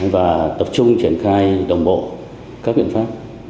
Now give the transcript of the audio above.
và tập trung triển khai đồng bộ các biện pháp